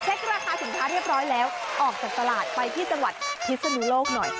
ราคาสินค้าเรียบร้อยแล้วออกจากตลาดไปที่จังหวัดพิศนุโลกหน่อย